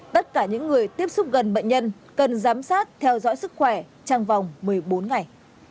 tất cả những người tiếp xúc gần bệnh nhân cần giám sát theo dõi sức khỏe trong vòng một mươi bốn ngày